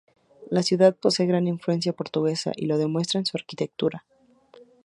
La ciudad posee gran influencia portuguesa, y lo demuestra en su arquitectura.